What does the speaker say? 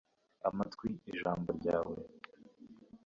amatwi ijambo ryawe